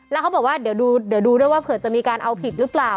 แล้วเขาบอกว่าเดี๋ยวดูด้วยว่าเผื่อจะมีการเอาผิดหรือเปล่า